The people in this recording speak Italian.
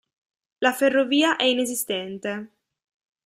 La ferrovia è inesistente.